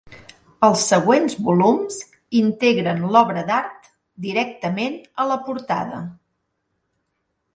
Els següents volums integren l'obra d'art directament a la portada.